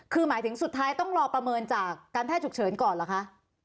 คือหมายถึงสุดท้ายต้องรอประเมินจากการแพทย์ฉุกเฉินก่อนเหรอคะ